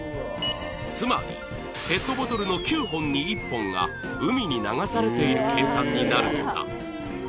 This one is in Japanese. つまりペットボトルの９本に１本が海に流されている計算になるのだ